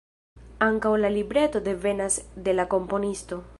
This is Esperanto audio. Ankaŭ la libreto devenas de la komponisto.